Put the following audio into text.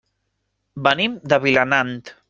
Venim de Vilanant.